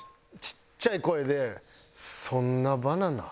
ちっちゃい声で「そんなバナナ」。